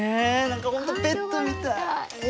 何か本当ペットみたい。